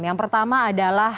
yang pertama adalah